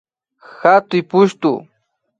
Hatuy pushtu